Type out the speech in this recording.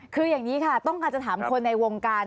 คืออย่างนี้ค่ะต้องการจะถามคนในวงการ